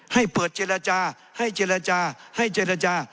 ให้เปิดเจรจาให้เจรจาให้เจรจา